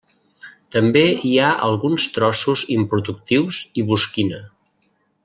També hi ha alguns trossos improductius i bosquina.